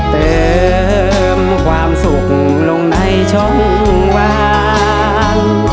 เติมความสุขลงในช่องวาง